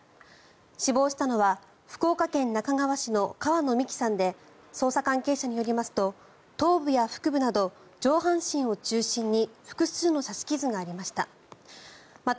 死亡したのは福岡県那珂川市の川野美樹さんで捜査関係者によりますと頭部や腹部など上半身を中心に複数の刺し傷がありました。